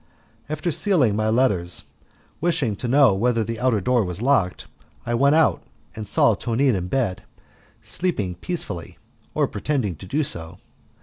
After sealing my letters, wishing to know whether the outer door was locked, I went out and saw Tonine in bed, sleeping peacefully, or pretending to do so.